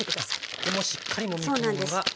これもしっかりもみ込むのが。